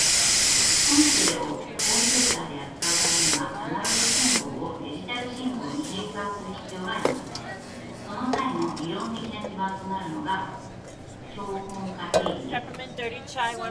音声をコンピュータで扱うためには、アナログ信号をデジタル信号に変換する必要があります。その際の理論的な基盤となるのが標本化定理です。